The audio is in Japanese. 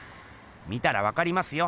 見たらわかりますよ！